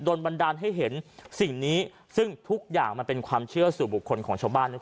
บันดาลให้เห็นสิ่งนี้ซึ่งทุกอย่างมันเป็นความเชื่อสู่บุคคลของชาวบ้านทุกคน